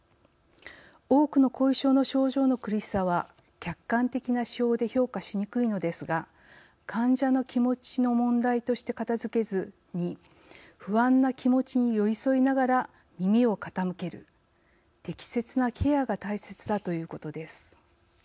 多くの後遺症の症状の苦しさは客観的な指標で評価しにくいのですが患者の気持ちの問題として片付けずに不安な気持ちに寄り添いながら耳を傾ける適切なケアが大切だということです。